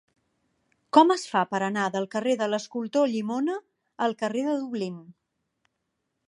Com es fa per anar del carrer de l'Escultor Llimona al carrer de Dublín?